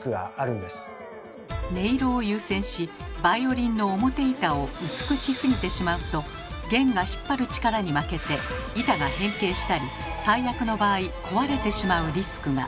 音色を優先しバイオリンの表板を薄くしすぎてしまうと弦が引っ張る力に負けて板が変形したり最悪の場合壊れてしまうリスクが。